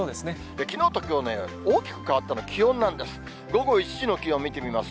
きのうときょうの大きく変わったの、気温なんです。